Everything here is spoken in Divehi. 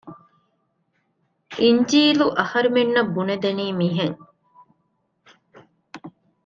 އިންޖީލު އަހަރުމެންނަށް ބުނެދެނީ މިހެން